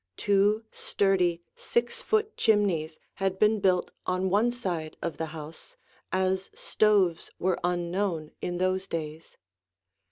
Two sturdy, six foot chimneys had been built on one side of the house, as stoves were unknown in those days.